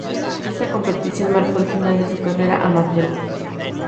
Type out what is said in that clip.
Esta competición marcó el final de su carrera amateur.